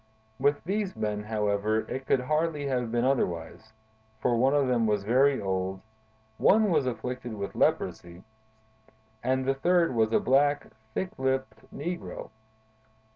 With these men, however, it could hardly have been otherwise, for one of them was very old, one was afflicted with leprosy, and the third was a black, thick lipped negro.